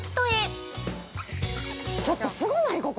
◆ちょっとすごない？